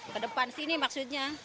ke depan sini maksudnya